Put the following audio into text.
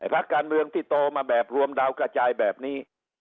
พักการเมืองที่โตมาแบบรวมดาวกระจายแบบนี้